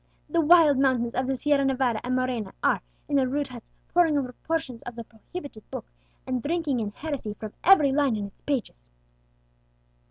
The wild mountaineers of the Sierra Nevada and Morena are, in their rude huts, poring over portions of the prohibited Book, and drinking in heresy from every line in its pages!"